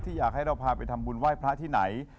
อยากให้เราพาไปทำบุญไหว้พระที่ไหน